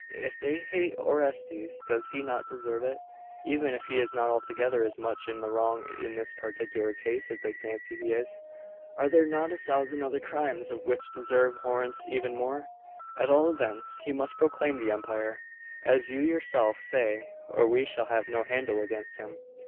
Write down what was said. If they hate Orestes, does he not deserve it? Even if he is not altogether as much in the wrong in this particular case as they fancy he is, are there not a thousand other crimes of his which deserve their abhorrence even more? At all events, he must proclaim the empire, as you yourself say, or we shall have no handle against him.